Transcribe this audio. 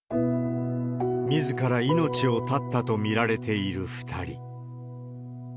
みずから命を絶ったと見られている２人。